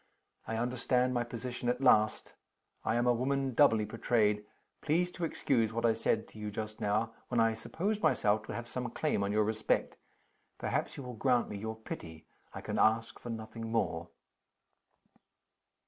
"I understand my position at last. I am a woman doubly betrayed. Please to excuse what I said to you just now, when I supposed myself to have some claim on your respect. Perhaps you will grant me your pity? I can ask for nothing more."